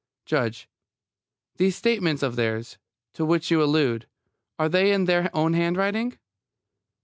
JUDGE: These statements of theirs, to which you allude: are they in their own handwriting?